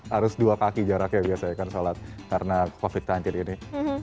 harus dua kaki jaraknya biasanya kan sholat karena covid sembilan belas ini